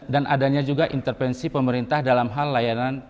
dan adanya juga intervensi pemerintah dalam hal layanan